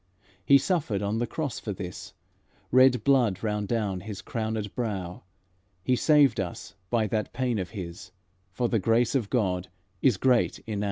He suffered on the cross for this, Red blood ran from His crownèd brow; He saved us by that pain of His, For the grace of God is great enow."